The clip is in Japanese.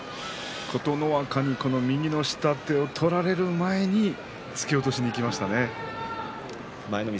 琴ノ若に右の下手が取られる前に突き落としにいきました。